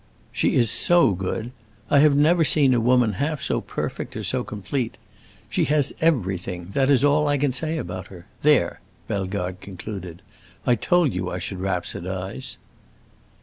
She is so good! I have never seen a woman half so perfect or so complete. She has everything; that is all I can say about her. There!" Bellegarde concluded; "I told you I should rhapsodize."